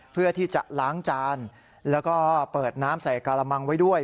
เพื่อที่จะล้างจานแล้วก็เปิดน้ำใส่กระมังไว้ด้วย